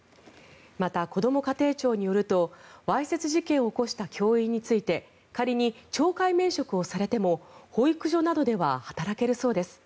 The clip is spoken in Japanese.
また、こども家庭庁によるとわいせつ事件を起こした教員について仮に懲戒免職されても保育所などでは働けるそうです。